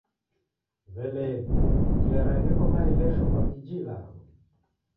W'elee, ngera gheko maelesho gha iji ilagho?